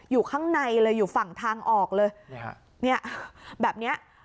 อยู่ข้างในเลยอยู่ฝั่งทางออกเลยเนี่ยแบบเนี้ย